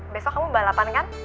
besok kamu balapan kan